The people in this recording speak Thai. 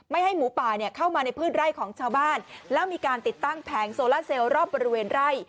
ให้หมูป่าเนี่ยเข้ามาในพืชไร่ของชาวบ้านแล้วมีการติดตั้งแผงโซล่าเซลรอบบริเวณไร่